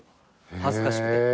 恥ずかしくて。